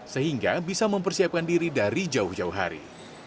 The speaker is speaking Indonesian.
sehingga bisa mempersiapkan diri dari jauh jauh hari